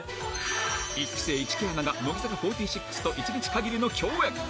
１期生、市來アナが、乃木坂４６と一日限りの共演。